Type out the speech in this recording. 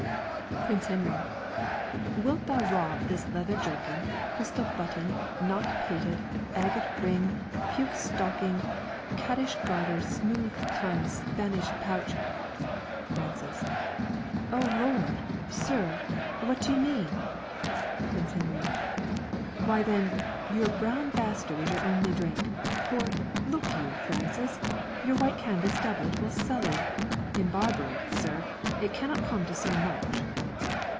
Prince Henry. "'Wilt thou rob this leather jerkin, crystal button, nott pated, agate ring, puke stocking, caddis garter, smooth tongue, Spanish pouch, " Francis. "O Lord, sir, who do you mean?" P. Hen. "Why then, your brown bastard is your only drink: for, look you, Francis, your white canvas doublet will sully; in Barbary, sir, it cannot come to so much."